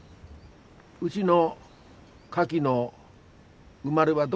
うぢのカキの生まれはどごだい。